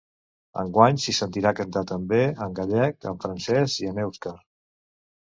Enguany, s’hi sentirà cantar també en gallec, en francès i en èuscar.